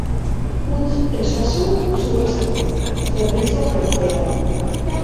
Utz ezazu su eztian, zerbitzatu arteraino.